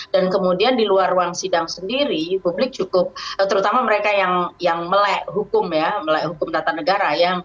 dan kemudian di luar ruang sidang sendiri publik cukup terutama mereka yang melek hukum ya melek hukum tata negara